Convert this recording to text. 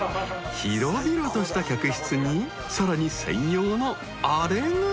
［広々とした客室にさらに専用のあれが］